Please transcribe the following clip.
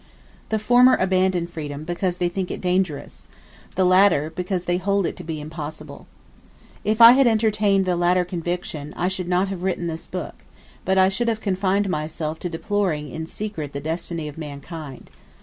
The former abandon freedom, because they think it dangerous; the latter, because they hold it to be impossible. If I had entertained the latter conviction, I should not have written this book, but I should have confined myself to deploring in secret the destiny of mankind.